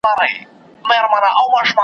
ځنګلونه د حیواناتو کورونه دي.